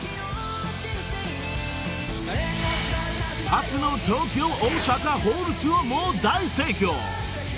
［初の東京大阪ホールツアーも大盛況］